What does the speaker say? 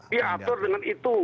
diatur dengan itu